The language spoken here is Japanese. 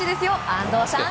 安藤さん。